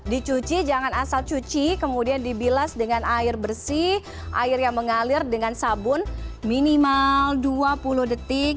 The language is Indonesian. dicuci jangan asal cuci kemudian dibilas dengan air bersih air yang mengalir dengan sabun minimal dua puluh detik